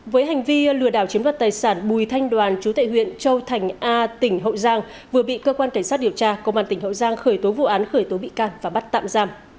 với hành vi lừa đảo chiếm đoạt tài sản bùi thanh đoàn chú tệ huyện châu thành a tỉnh hậu giang vừa bị cơ quan cảnh sát điều tra công an tỉnh hậu giang khởi tố vụ án khởi tố bị can và bắt tạm giam